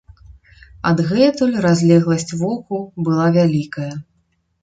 Адгэтуль разлегласць воку была вялікая.